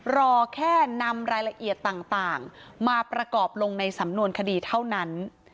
รอแค่นำรายละเอียดต่างมาประกอบลงในสำนวนคดีเท่านั้น